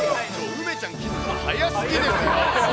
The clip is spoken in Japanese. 梅ちゃん、気付くの早すぎですよ。